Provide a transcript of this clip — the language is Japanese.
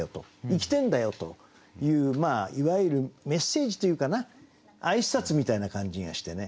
生きてんだよといういわゆるメッセージというかな挨拶みたいな感じがしてね